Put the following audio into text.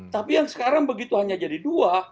tapi yang sekarang begitu hanya jadi dua